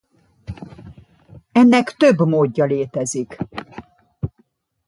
Ennek több módja létezik.